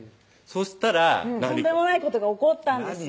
そしたらとんでもないことが起こったんです